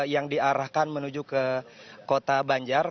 yang diarahkan menuju ke kota banjar